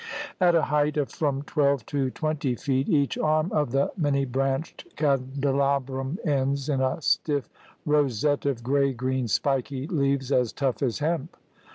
At a height of from twelve to twenty feet each arm of the many branched candelabrum ends in a stiff ro sette of gray green spiky leaves as tough as hemp.